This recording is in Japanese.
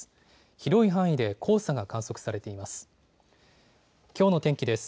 広い範囲で黄砂が観測されています。